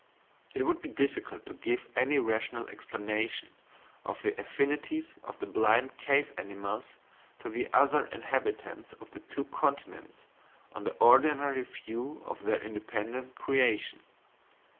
It would be difficult to give any rational explanation of the affinities of the blind cave animals to the other inhabitants of the two continents on the ordinary view of their independent creation.